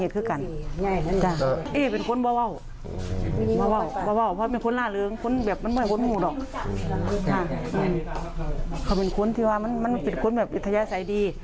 เขาเป็นคนที่ว่ามันเป็นคนแบบอิทยาศัยดี